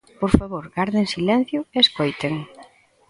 Por favor, garden silencio e escoiten.